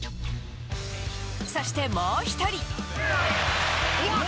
そしてもう１人。